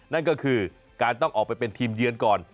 นั่นก็คือการต้องออกไปเป็นทีมเยือนก่อน